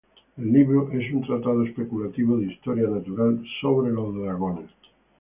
El libro es un tratado especulativo de historia natural sobre los dragones.